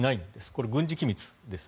これは軍事機密です。